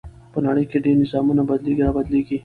په نړۍ کې ډېر نظامونه بدليږي را بدلېږي .